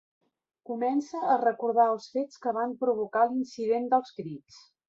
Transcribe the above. Comença a recordar els fets que van provocar l'incident dels crits.